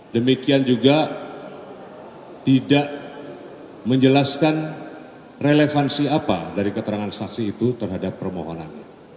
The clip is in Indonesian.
demikian juga tidak menjelaskan relevansi apa dari keterangan saksi itu terhadap permohonan